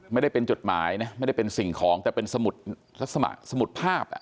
ไม่ได้เป็นจดหมายนะไม่ได้เป็นสิ่งของแต่เป็นสมุดภาพ